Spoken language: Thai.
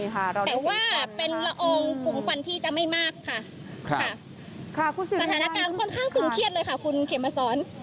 แต่ว่าเป็นละอองกลุ่มควันที่จะไม่มากค่ะสถานการณ์ค่อนข้างตึงเครียดเลยค่ะคุณเขมมาสอน